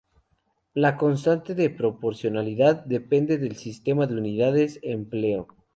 La constante de proporcionalidad depende del sistema de unidades empleado.